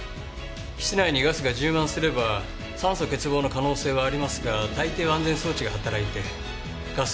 室内にガスが充満すれば酸素欠乏の可能性はありますが大抵は安全装置が働いてガスは止まります。